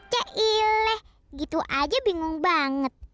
ceileh gitu aja bingung banget